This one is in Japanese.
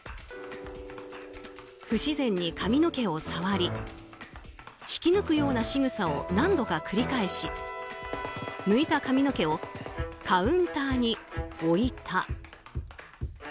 不自然に髪の毛を触り引き抜くようなしぐさを何度か繰り返し、抜いた髪の毛をカウンターに置いた。